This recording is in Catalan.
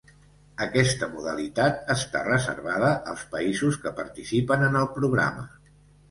Aquesta modalitat està reservada als països que participen en el programa.